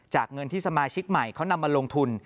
เงินที่สมาชิกใหม่เขานำมาลงทุน